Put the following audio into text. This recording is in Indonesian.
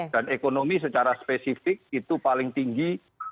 dan ekonomi secara spesifik itu paling tinggi